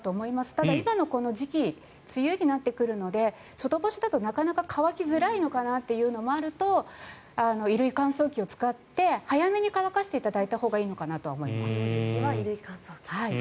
ただ、今のこの時期梅雨になってくるので外干しだとなかなか乾きづらいのかなというのもあると衣類乾燥機を使って早めに乾かしていただいたほうがこの時期は衣類乾燥機。